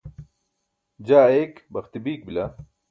jaa eyik baxti biik bila